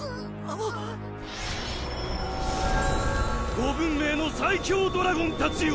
五文明の最強ドラゴンたちよ。